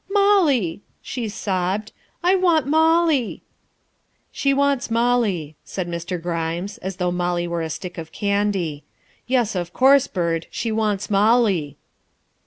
" Molly," she sobbed, " I want Molly." " She wants Molly," said Mr. Grimes, as though Molly were a stick of candy. " Yes, of course, Byrd, she wants Molly."